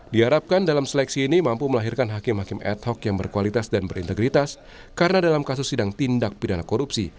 diharapkan dalam seleksi ini mampu melahirkan hakim hakim ad hoc yang berkualitas dan berintegritas